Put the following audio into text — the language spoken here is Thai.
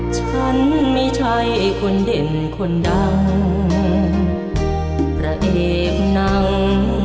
ฉันไม่ใช่คนเด่นคนดังประเทศหนัง